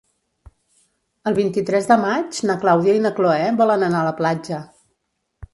El vint-i-tres de maig na Clàudia i na Cloè volen anar a la platja.